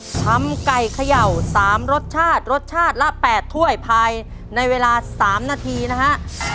ทำไก่เขย่า๓รสชาติรสชาติละ๘ถ้วยภายในเวลา๓นาทีนะฮะ